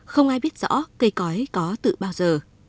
không ai biết rõ cây cõi có tự bao giờ